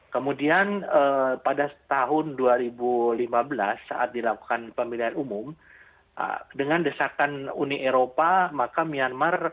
kemudian pada tahun dua ribu lima belas saat dilakukan pemilihan umum dengan desakan uni eropa maka myanmar